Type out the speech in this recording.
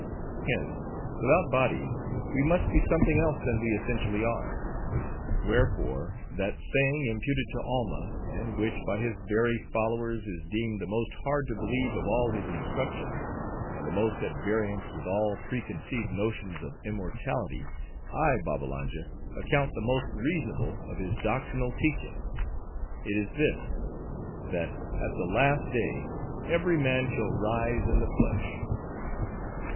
Hence, without bodies, we must be something else than we essentially are. Wherefore, that saying imputed to Alma, and which, by his very followers, is deemed the most hard to believe of all his instructions, and the most at variance with all preconceived notions of immortality, I Babbalanja, account the most reasonable of his doctrinal teachings. It is this;—that at the last day, every man shall rise in the flesh."